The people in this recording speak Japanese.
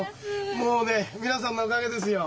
もうね皆さんのおかげですよ。